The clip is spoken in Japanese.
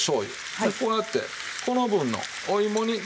でこうやってこの分のお芋にこう。